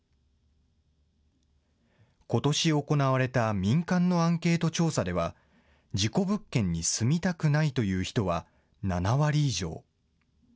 ことし行われた民間のアンケート調査では、事故物件に住みたくないという人は７割以上。